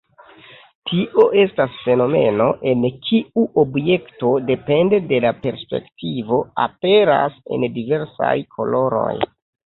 Tio estas fenomeno, en kiu objekto, depende de la perspektivo, aperas en diversaj koloroj.